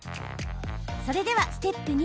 それでは、ステップ２。